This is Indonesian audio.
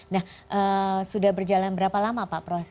nah sudah berjalan berapa lama